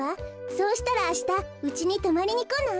そうしたらあしたうちにとまりにこない？